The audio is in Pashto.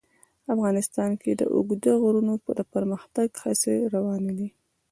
افغانستان کې د اوږده غرونه د پرمختګ هڅې روانې دي.